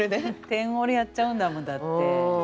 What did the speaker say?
「点俺」やっちゃうんだもんだって。